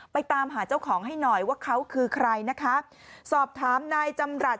ตามหาเจ้าของให้หน่อยว่าเขาคือใครนะคะสอบถามนายจำรัฐ